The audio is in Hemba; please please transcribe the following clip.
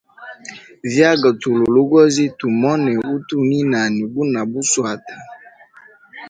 Vyaga tulwe logozi tumone utu ni nani guna buswata.